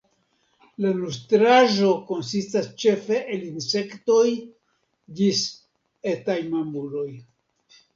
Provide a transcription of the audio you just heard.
La nutraĵo konsistas ĉefe el insektoj ĝis etaj mamuloj.